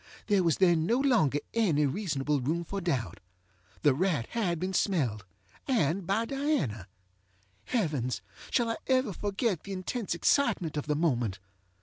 There was then no longer any reasonable room for doubt. The rat had been smelledŌĆöand by Diana. Heavens! shall I ever forget the intense excitement of the moment?